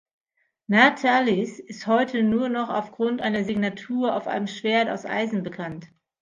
Natalis ist heute nur noch aufgrund einer Signatur auf einem Schwert aus Eisen bekannt.